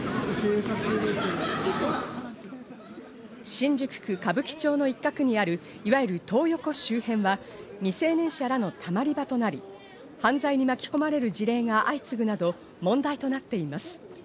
新宿区歌舞伎町の一角にある、いわゆるトー横周辺は未成年者らのたまり場となり、犯罪に巻き込まれる事例が相次ぐなど問題となっています。